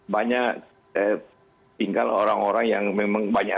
banyak tinggal orang orang yang memang banyak